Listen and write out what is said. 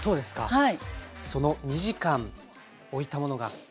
はい。